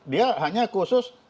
dia hanya khusus